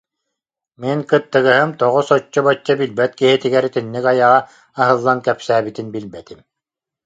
Мин кыттыгаһым тоҕо соччо-бачча билбэт киһитигэр итинник айаҕа аһыллан кэпсээбитин билбэтим